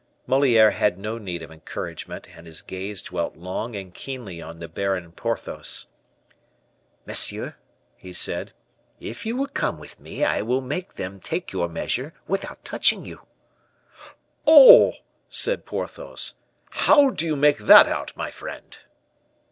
Moliere had no need of encouragement, and his gaze dwelt long and keenly on the Baron Porthos. "Monsieur," he said, "if you will come with me, I will make them take your measure without touching you." "Oh!" said Porthos, "how do you make that out, my friend?"